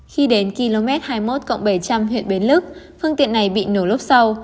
khi đến km hai mươi một bảy trăm linh huyện bến lức phương tiện này bị nổ lốp sau